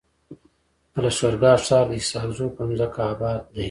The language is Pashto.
د لښکر ګاه ښار د اسحق زو پر مځکه اباد دی.